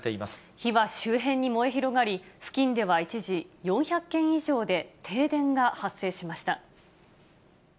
火は周辺に燃え広がり、付近では一時、４００軒以上で停電が発生しました。